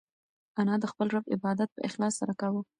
انا د خپل رب عبادت په اخلاص سره کاوه.